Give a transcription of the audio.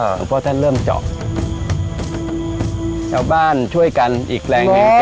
เพราะท่านเริ่มเจาะชาวบ้านช่วยกันอีกแรงหนึ่ง